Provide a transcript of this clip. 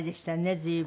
随分。